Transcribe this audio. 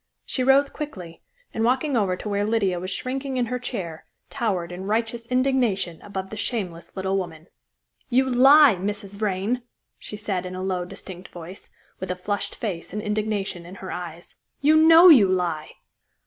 She rose quickly, and walking over to where Lydia was shrinking in her chair, towered in righteous indignation above the shameless little woman. "You lie, Mrs. Vrain!" she said in a low, distinct voice, with a flushed face and indignation in her eyes. "You know you lie!"